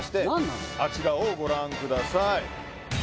あちらをご覧ください